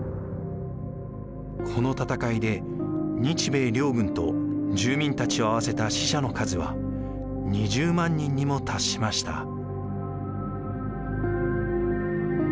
この戦いで日米両軍と住民たちを合わせた死者の数は２０万人にも達しました。